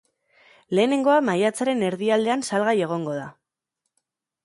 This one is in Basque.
Lehenengoa maiatzaren erdialdean salgai egongo da.